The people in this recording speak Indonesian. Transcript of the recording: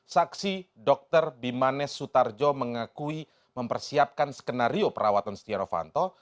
saksi dr bimanes sutarjo mengakui mempersiapkan skenario perawatan stianofanto